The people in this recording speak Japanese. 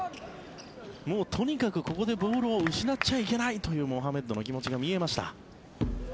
とにかくここでボールを失っちゃいけないというモハメッドの気持ちが見えました。